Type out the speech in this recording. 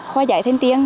hoa dạy thanh tiên